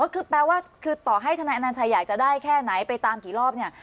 คือแปลว่าคือต่อให้ทนายอนัญชัยอยากจะได้แค่ไหนไปตามกี่รอบเนี่ย